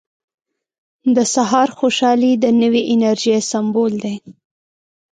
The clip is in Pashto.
• د سهار خوشحالي د نوې انرژۍ سمبول دی.